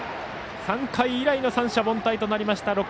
３回以来の三者凡退となりました。